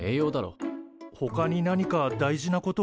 ほかに何か大事なことあるかな？